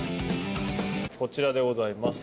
こちらでございます。